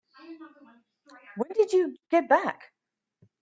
When did you get back?